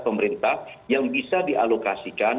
pemerintah yang bisa dialokasikan